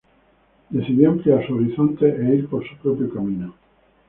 Decidió ampliar su horizonte e ir por su propio camino.